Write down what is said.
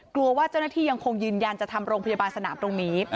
กลัวว่าเจ้าหน้าที่ยังคงยืนยันจะทำโรงพยาบาลสนามตรงนี้